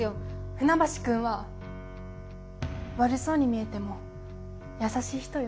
船橋くんは悪そうに見えても優しい人よ。